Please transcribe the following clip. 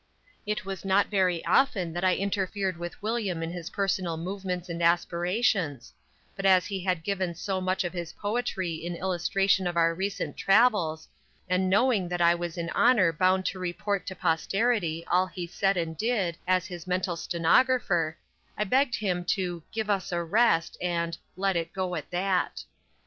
It was not very often that I interfered with William in his personal movements and aspirations, but as he had given so much of his poetry in illustration of our recent travels, and knowing that I was in honor bound to report to posterity all he said and did as his mental stenographer, I begged him to "give us a rest," and "let it go at that."